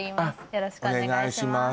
よろしくお願いします。